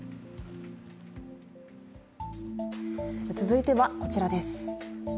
続いてはこちらです。